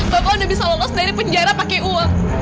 bapak anda bisa lolos dari penjara pakai uang